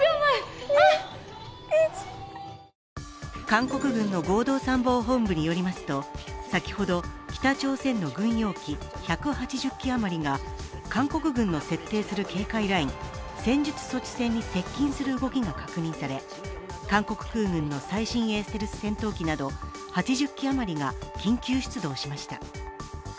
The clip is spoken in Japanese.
韓国軍の合同参謀本部によりますと先ほど、北朝鮮の軍用機１８０機余りが韓国軍の設定する警戒ライン、戦術措置戦に接近する動きが確認され、韓国空軍の最新鋭ステルス戦闘機など８０機余りが緊急出動しました。